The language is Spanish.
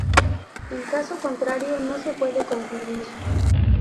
En caso contrario no se puede concluir.